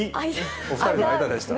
お２人の間でした。